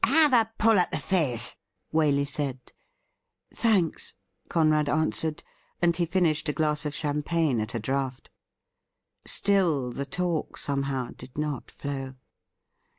' Have a pull at the fizz,' Waley said. ' Thanks,'' Conrad answered, and he finished a glass of champagne at a draught. Still the talk, somehow, did not flow.